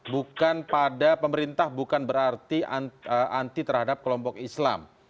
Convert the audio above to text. bukan pada pemerintah bukan berarti anti terhadap kelompok islam